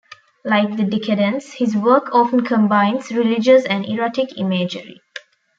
Like the Decadents, his work often combines religious and erotic imagery.